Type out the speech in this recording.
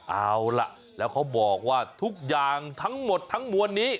เอาล่ะแล้วเขาบอกว่าทุกอย่างทั้งหมดทั้งมวลนี้